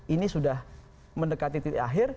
ini sudah mendekati titik akhir